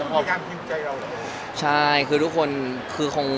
แล้วถ่ายละครมันก็๘๙เดือนอะไรอย่างนี้